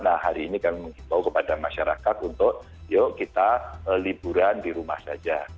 nah hari ini kami mengimbau kepada masyarakat untuk yuk kita liburan di rumah saja